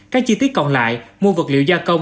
các chi tiết còn lại mua vật liệu gia công